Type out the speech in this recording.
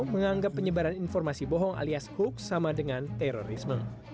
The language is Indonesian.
menganggap penyebaran informasi bohong alias hoax sama dengan terorisme